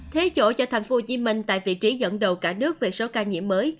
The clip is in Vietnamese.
thế chỗ cho thành phố hồ chí minh tại vị trí dẫn đầu cả nước về số ca nhiễm mới